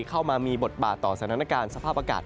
เข้ามามีบทบาทต่อสถานการณ์สภาพอากาศ